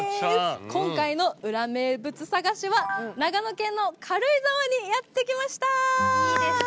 今回の裏名物探しは長野県の軽井沢にやって来ました。